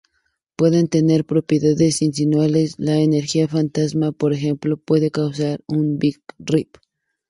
Pueden tener propiedades inusuales: la energía fantasma, por ejemplo, puede causar un Big Rip.